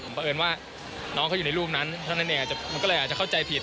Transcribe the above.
เพราะเอิญว่าน้องเขาอยู่ในรูปนั้นเท่านั้นเองมันก็เลยอาจจะเข้าใจผิด